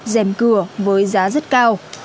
dèm cửa với giá rất cao